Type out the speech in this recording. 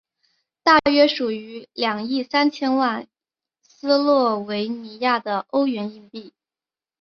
大约属于二亿三千万斯洛维尼亚的欧元硬币。